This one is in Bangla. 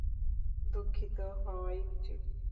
দুঃখিত হওয়াই উচিৎ।